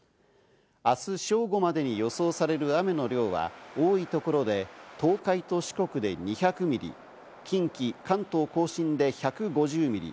明日正午までに予想される雨の量は多いところで東海と四国で２００ミリ、近畿、関東甲信で１５０ミリ。